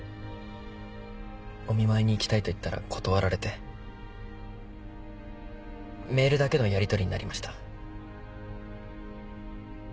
お見舞いに行きたいと言ったら断られてメールだけのやりとりになりました。